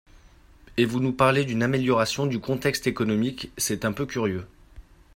Et vous nous parlez d’une amélioration du contexte économique, c’est un peu curieux